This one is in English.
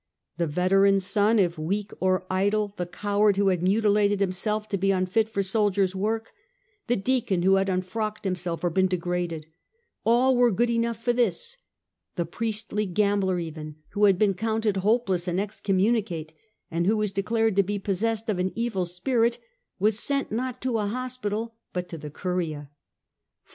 The veteran^s son. if weak or idle, A. H, P 2 TO The Age of the A ntonines, ch. ix the coward who had mutilated himself to be unfit for soldiers' work, the deacon who had unfrocked himself or been degraded — all were good enough for this — the priestly gambler even, who had been counted hopeless and excommunicate, and who was declared to be pos sessed of an evil spirit, was sent not to a hospital but tc the ctiria, 4°.